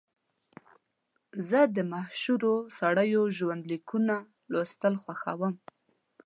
زه د مشهورو سړیو ژوند لیکونه لوستل خوښوم.